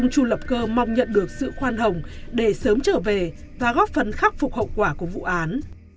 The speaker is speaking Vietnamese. cũng mong nhận được sự khoan hồng để sớm trở về và góp phấn khắc phục hậu quả của vụ án